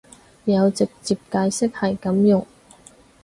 有直接解釋係噉用